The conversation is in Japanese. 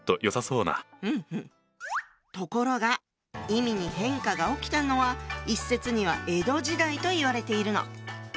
ところが意味に変化が起きたのは一説には江戸時代といわれているの。